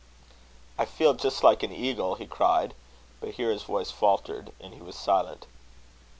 "I feel just like an eagle," he cried; but here his voice faltered, and he was silent.